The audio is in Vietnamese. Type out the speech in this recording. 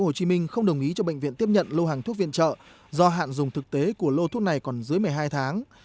hồ chí minh không đồng ý cho bệnh viện tiếp nhận lô hàng thuốc viện trợ do hạn dùng thực tế của lô thuốc này còn dưới một mươi hai tháng